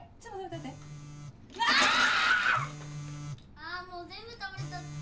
あもう全部倒れちゃった。